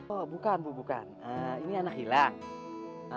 oh bukan bu bukan ini anak hilang